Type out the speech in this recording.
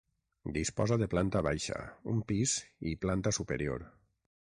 Disposa de planta baixa, un pis i planta superior.